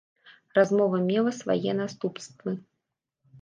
Размова мела свае наступствы.